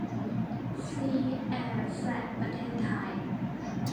ซี เอ แซด ประเทศไทย